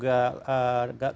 garis bawahnya adalah